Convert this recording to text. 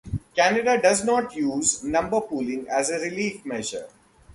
Canada does not use number pooling as a relief measure.